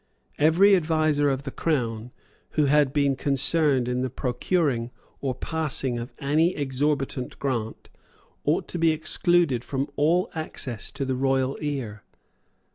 Every adviser of the Crown, who had been concerned in the procuring or passing of any exorbitant grant, ought to be excluded from all access to the royal ear.